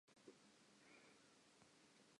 Ho etsahetse eng ka motho enwa?